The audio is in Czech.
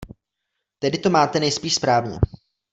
Tedy to máte nejspíš správně.